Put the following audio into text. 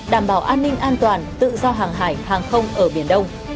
đảm bảo an ninh an toàn tự do hàng hải hàng không ở biển đông